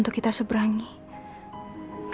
tak ada bund